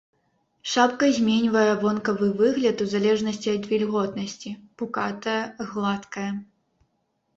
Шапка зменьвае вонкавы выгляд у залежнасці ад вільготнасці, пукатая, гладкая.